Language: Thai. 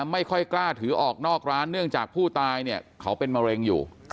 ไม่ค่อยกล้าถือออกนอกร้านเนื่องจากผู้ตายเนี่ยเขาเป็นมะเร็งอยู่